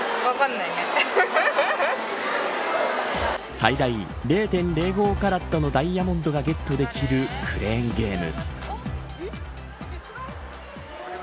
最大０．０５カラットのダイヤモンドがゲットできるクレーンゲーム。